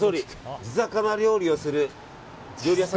地魚料理をする料理屋さん